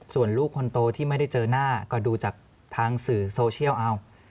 ส่วนลูกคนโตที่ไม่ได้เจอหน้าก็ดูจากทางสื่อโซเชียลเอา